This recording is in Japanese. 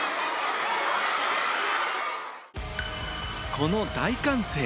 この大歓声。